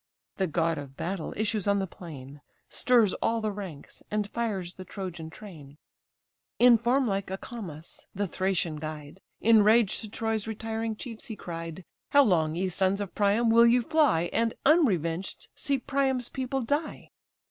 The god of battle issues on the plain, Stirs all the ranks, and fires the Trojan train; In form like Acamas, the Thracian guide, Enraged to Troy's retiring chiefs he cried: "How long, ye sons of Priam! will ye fly, And unrevenged see Priam's people die?